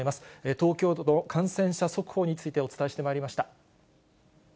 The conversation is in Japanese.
東京都の感染者速報についてお伝えしてまいりました。